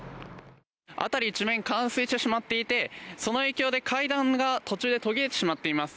辺り一面冠水してしまっていてその影響で階段が途中で途切れてしまっています。